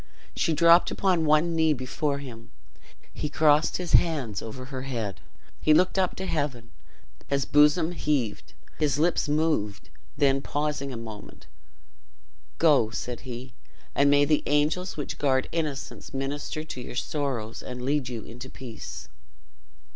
She dropped upon one knee before him. He crossed his hands over her head he looked up to heaven his bosom heaved his lips moved then pausing a moment "Go," said he, "and may the angels which guard innocence minister to your sorrows, and lead you into peace!"